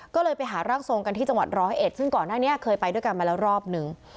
ก็เลยไปหาร่างทรงกันที่จังหวัดร้อยเอ็ดซึ่งก่อนหน้านี้เคยไปด้วยกันมาแล้วรอบหนึ่ง